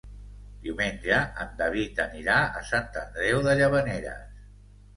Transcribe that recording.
Diumenge en David anirà a Sant Andreu de Llavaneres.